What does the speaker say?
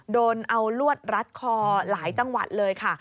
โดนเอาลวดรัดคอหลายจังหวัดเลยค่ะ